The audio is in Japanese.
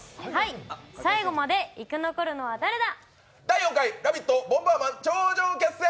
最後まで生き残るのは誰だ。